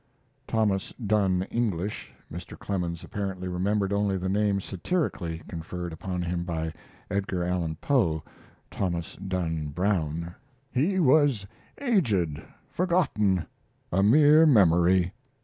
[Thomas Dunn English. Mr. Clemens apparently remembered only the name satirically conferred upon him by Edgar Allan Poe, "Thomas Dunn Brown."] He was aged, forgotten, a mere memory.